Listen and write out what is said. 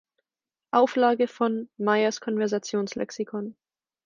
Auflage von "„Meyers Konversations-Lexikon.